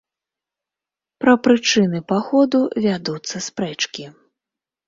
Пра прычыны паходу вядуцца спрэчкі.